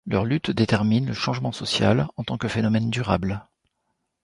Leurs luttes déterminent le changement social en tant que phénomène durable.